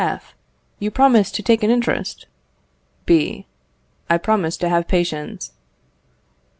F. You promise to take an interest? B. I promise to have patience.